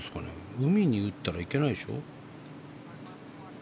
海に向かって打ったらいけないでしょ。